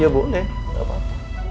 ya boleh nggak apa apa